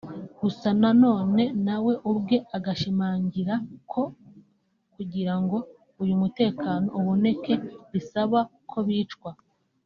gusa nanone nawe ubwe agashimangira ko kugira ngo uyu mutekano uboneke bisaba ko bicwa